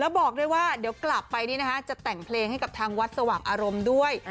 บอกด้วยว่าเดี๋ยวกลับไปจะแต่งเพลงให้กับทางวัดสว่างอารมณ์ด้วย